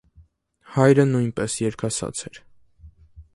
Հայրը նույնպես երգասաց էր։